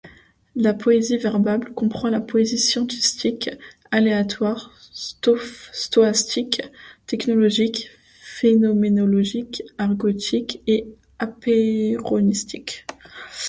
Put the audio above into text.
La poésie verbale comprend la poésie scientistique, aléatoire, stohastique, technologique, phénoménologique, argotique et apeyronistique.